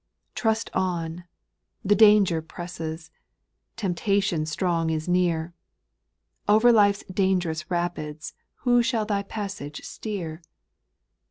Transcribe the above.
' 8. Trust on ! the danger presses ; Temptation strong is near ; Over life's dangerous rapids Who shall thy passage steer